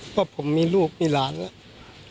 เพราะผมมีลูกมีหลานแล้ว